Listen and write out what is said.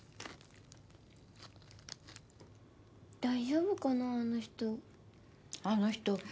大丈夫かなあの人。